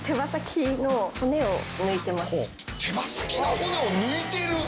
手羽先の骨を抜いてる？